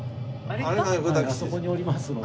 あそこに降りますので。